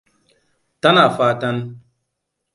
Tana fatan.